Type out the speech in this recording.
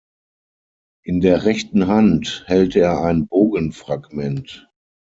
In der rechten Hand hält er ein Bogen-Fragment.